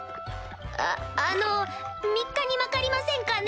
ああの３日にまかりませんかね？